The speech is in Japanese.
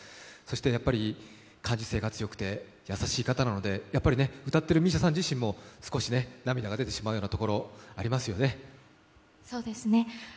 やっぱり感受性が強くて優しい方なので、歌っているＭＩＳＩＡさん自身も少し涙が出てしまうようなところありますよね。